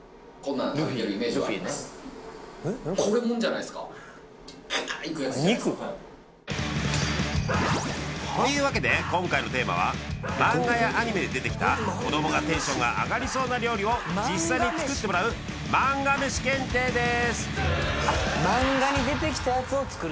いくやつじゃないですかというわけで今回のテーマはマンガやアニメで出てきた子供がテンションが上がりそうな料理を実際に作ってもらう「マンガ飯検定」です！